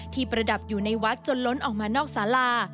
ประดับอยู่ในวัดจนล้นออกมานอกสารา